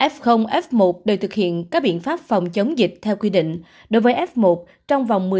f f một đều thực hiện các biện pháp phòng chống dịch theo quy định đối với f một trong vòng một mươi ngày